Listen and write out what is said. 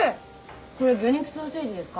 これ魚肉ソーセージですか？